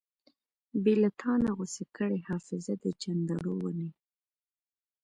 بې لتانۀ غوڅې کړې حافظه د چندڼو ونې